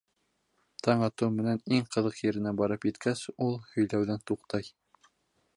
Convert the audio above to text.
Таң атыу менән, иң ҡыҙыҡ еренә барып еткәс, ул һөйләүҙән туҡтай.